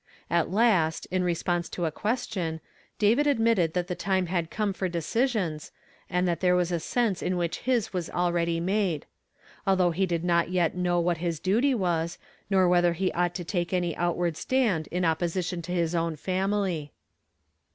At last, in respons.i to a question, David admitted that the time had come for decisions, and that there was a sense in which his was already made; although he did not yet know what his duty was, nor whether he ought to take any out ward stand in opposition to his own family.